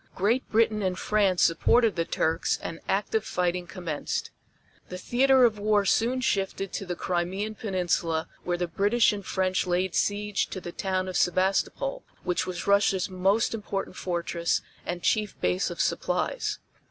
Great Britain and France supported the Turks and active fighting commenced. The theater of war soon shifted to the Crimean Peninsula where the British and French laid siege to the town of Sebastopol which was Russia's most important fortress and chief base of supplies.